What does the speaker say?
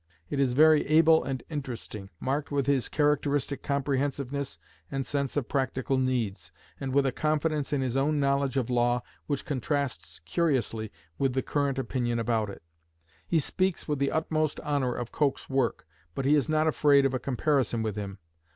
It is very able and interesting; marked with his characteristic comprehensiveness and sense of practical needs, and with a confidence in his own knowledge of law which contrasts curiously with the current opinion about it. He speaks with the utmost honour of Coke's work, but he is not afraid of a comparison with him.